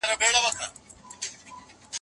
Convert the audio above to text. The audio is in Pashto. زده کړه هغه رڼا ده چي تیاره له منځه وړي.